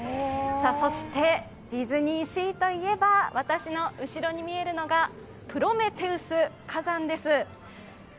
そして、ディズニーシーといえば私の後ろに見えるのが、プロメテウス火山です。